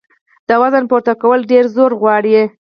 د وزن پورته کول ډېر زور غواړي.